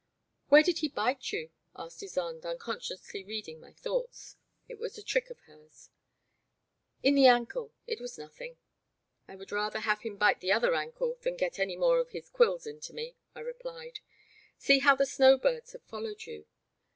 '* Where did he bite you ?asked Ysonde un consciously reading my thoughts. It was a trick of hers. In the ankle, — ^it was nothing. I would rather have him bite the other ankle than get any more of his quills into me !I replied. See how the snow birds have followed you.